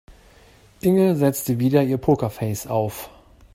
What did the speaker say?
Inge setzte wieder ihr Pokerface auf.